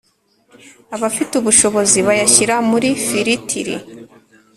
Abafite ubushobozi bayashyira muri firitiri,